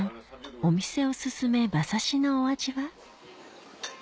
お店お薦め馬刺しのお味は？